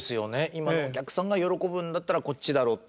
今のお客さんが喜ぶんだったらこっちだろうって。